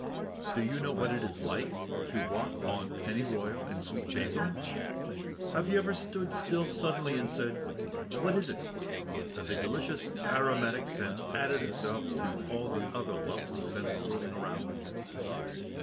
Do you know what it is like to walk on Pennyroyal and Sweet Basil? Have you ever stood still suddenly and said, "What is it?" as a delicious aromatic scent added itself to all the other lovely scents floating around?